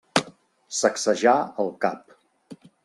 Sacsejà el cap.